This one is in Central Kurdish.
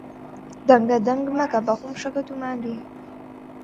دەنگەدەنگ مەکە، بەخۆم شەکەت و ماندووم.